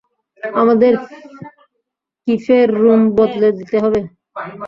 আমাদের কিফের রুম বদলে দিতে হবে।